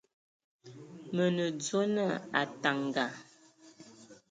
Mə nə dzwe na Ataŋga.